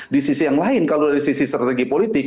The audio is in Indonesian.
di sisi yang lain kalau dari sisi strategi politik